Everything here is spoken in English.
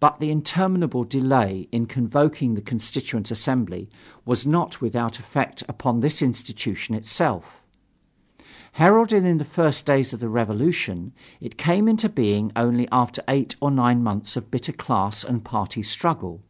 But the interminable delay in convoking the Constituent Assembly was not without effect upon this institution itself. Heralded in the first days of the revolution, it came into being only after eight or nine months of bitter class and party struggle.